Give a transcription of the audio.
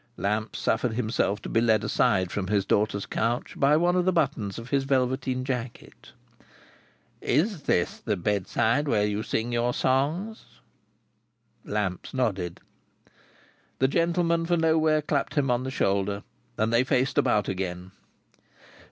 Lamps suffered himself to be led aside from his daughter's couch, by one of the buttons of his velveteen jacket. "Is this the bedside where you sing your songs?" Lamps nodded. The gentleman for Nowhere clapped him on the shoulder; and they faced about again.